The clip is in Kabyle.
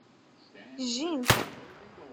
Jjint.